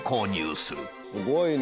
すごいね。